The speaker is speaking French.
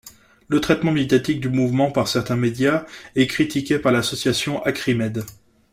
Le traitement médiatique du mouvement par certains médias est critiqué par l'association Acrimed.